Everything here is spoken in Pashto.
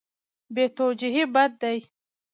بې توجهي بد دی.